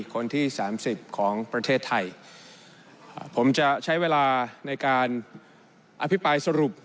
คนที่สามสิบของประเทศไทยผมจะใช้เวลาในการอภิปรายสรุป